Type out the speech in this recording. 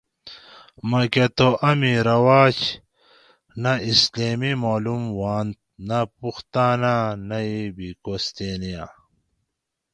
ما کہ تہ امی ناۤم رواج نہ اسلامی معلوم ھوانت نہ پُختاناں نہ بھی کوستینیاں